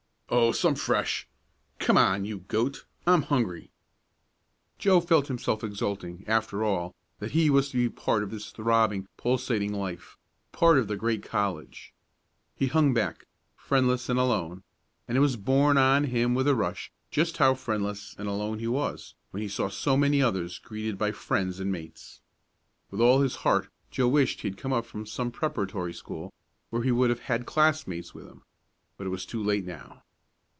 "Oh, some Fresh. Come on, you goat. I'm hungry!" Joe felt himself exulting, after all, that he was to be a part of this throbbing, pulsating life part of the great college. He hung back, friendless and alone, and it was borne on him with a rush just how friendless and alone he was when he saw so many others greeted by friends and mates. With all his heart Joe wished he had come up from some preparatory school, where he would have had classmates with him. But it was too late now.